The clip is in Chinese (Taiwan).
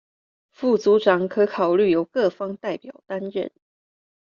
副組長可考慮由各方代表擔任